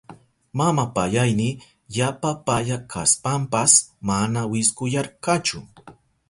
Mama payayni yapa paya kashpanpas mana wiskuyarkachu.